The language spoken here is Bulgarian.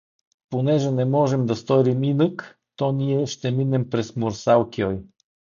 — Понеже не можем да сторим инък, то ние ще минем през Мурсал-кьой.